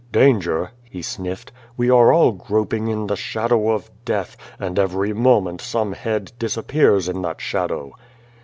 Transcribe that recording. "Danger?" he sniffed. "We are all groping in the shadow of death, and every moment some head disappears in that shadow."